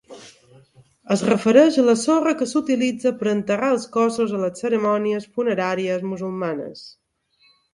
Es refereix a la sorra que s'utilitza per enterrar els cossos a les cerimònies funeràries musulmanes.